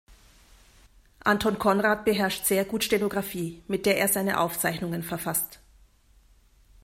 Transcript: Anton Konrad beherrscht sehr gut Stenographie, mit der er seine Aufzeichnungen verfasst.